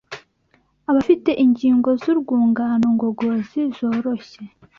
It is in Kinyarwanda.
Abafite ingingo z’urwungano ngogozi zoroshye